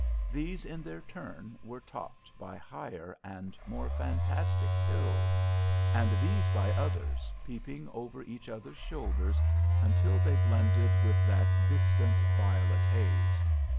These in their turn were topped by higher and more fantastic hills, and these by others, peeping over each other's shoulders until they blended with that distant violet haze.